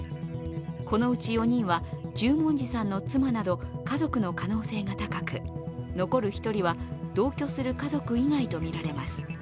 このうち４人は十文字さんの妻など家族の可能性が高く、残る１人は同居する家族以外とみられます。